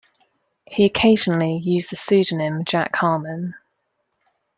He occasionally used the pseudonym Jack Harmon.